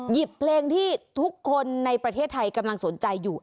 หยิบเพลงที่ทุกคนในประเทศไทยกำลังสนใจอยู่